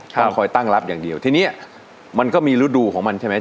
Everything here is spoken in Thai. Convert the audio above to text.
ต้องคอยตั้งรับอย่างเดียวทีนี้มันก็มีฤดูของมันใช่ไหม